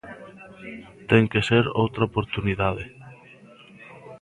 Ten que ser outra oportunidade.